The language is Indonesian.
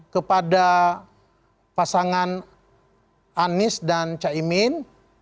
kepada pasangan anies dan caimin